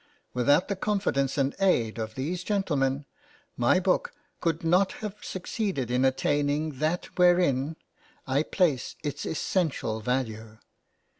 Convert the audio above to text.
Without the confidence and aid of these gentlemen, my book could not have succeeded in attaining that wherein I place its essential value.